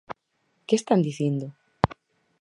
¿Que están dicindo?